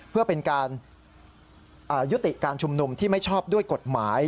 เพื่อเป็นการยุติการชุมนุมที่ไม่ชอบด้วยกฎหมาย